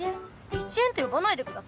イチエンって呼ばないでください。